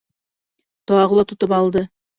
Тағы ла тотоп алды.